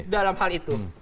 dalam hal itu